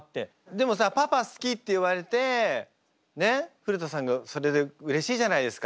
でもさ「パパ好き」って言われてねっ古田さんがそれでうれしいじゃないですか。